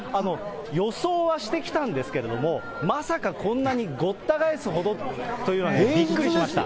予想はしてきたんですけれども、まさかこんなにごった返すほどというのは、びっくりしました。